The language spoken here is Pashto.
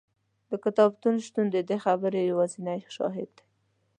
د کتابتون شتون د دې خبرې یوازینی شاهد دی.